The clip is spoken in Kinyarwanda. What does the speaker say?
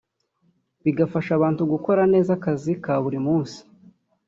bigafasha abantu gukora neza akazi ka buri munsi